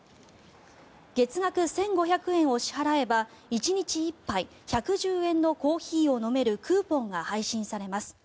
月額１５００円を支払えば１日１杯１１０円のコーヒーを飲めるクーポンが配信されます。